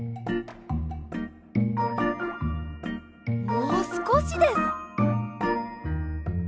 もうすこしです。